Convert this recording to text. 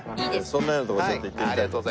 そんなようなとこちょっと行ってみたいと。